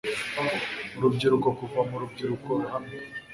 Urubyiruko kuva mu rubyiruko ruhamye